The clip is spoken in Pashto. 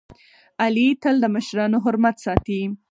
علي تل د مشرانو حرمت ساتي.